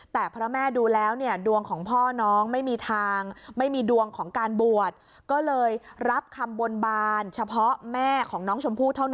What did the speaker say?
แต่พระแม่ดูแล้วเนี่ยดวงของพ่อน้องไม่มีทางไม่มีดวงของการบวช